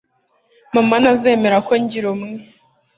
Mama ntazemera ko ngira umwe